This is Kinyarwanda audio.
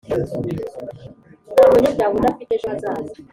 nta munyabyaha udafite ejo hazaza.